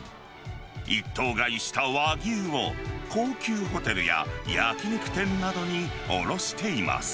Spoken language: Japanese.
一頭買いした和牛を高級ホテルや焼き肉店などに卸しています。